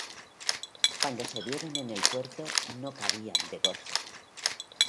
Cuando se vieron en el puerto, no cabían de gozo.